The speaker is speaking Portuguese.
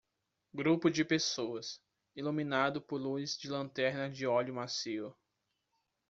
Grupo de pessoas, iluminado por luz de lanterna de óleo macio.